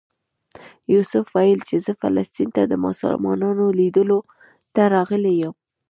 یوسف ویل چې زه فلسطین ته د مسلمانانو لیدلو ته راغلی یم.